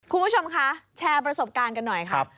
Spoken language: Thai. คุณผู้ชมคะแชร์ประสบการณ์กันหน่อยครับ